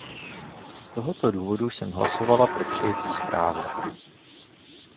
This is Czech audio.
Z tohoto důvodu jsem hlasovala pro přijetí zprávy.